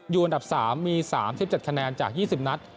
อันดับ๓มี๓๗คะแนนจาก๒๐นัด